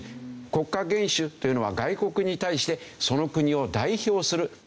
国家元首というのは外国に対してその国を代表する一番のトップの人。